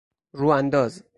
رو انداز